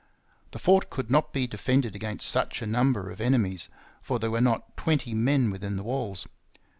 The fort could not be defended against such a number of enemies, for there were not twenty men within the walls.